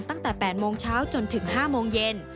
ตั้งแต่๘โมงเช้าจนถึง๕โมงเย็น